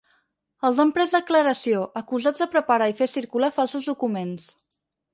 Els han pres declaració, acusats de preparar i fer circular falsos documents.